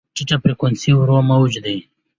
ټیټه فریکونسي ورو موج دی.